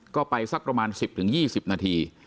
ก็ไปสักประมาณ๑๐๒๐นาที